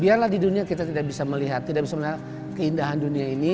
biarlah di dunia kita tidak bisa melihat tidak bisa melihat keindahan dunia ini